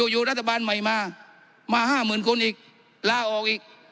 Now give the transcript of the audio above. อยู่รัฐบาลใหม่มามา๕๐๐๐คนอีกลาออกอีก